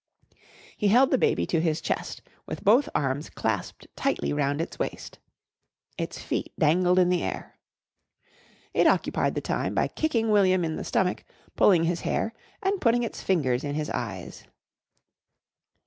He held the baby to his chest with both arms clasped tightly round its waist. Its feet dangled in the air. It occupied the time by kicking William in the stomach, pulling his hair, and putting its fingers in his eyes.